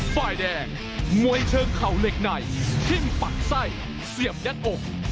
ฝ่ายแดงมวยเชิงเข่าเหล็กในทิ้มปักไส้เสียบยัดอก